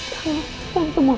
tuhan tuhan tuhan